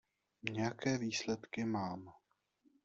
Nějaké výsledky mám.